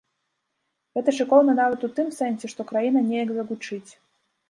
Гэта шыкоўна нават у тым сэнсе, што краіна неяк загучыць.